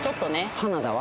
花田は？